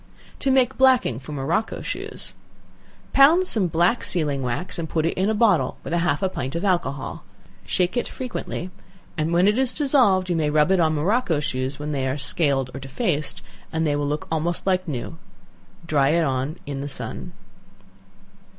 To Make Blacking for Morocco Shoes. Pound some black sealing wax, and put in a bottle with half a pint of alcohol; shake it frequently, and when it is dissolved, you may rub it on morocco shoes when they are scaled or defaced, and they will look almost like new; dry it on in the sun.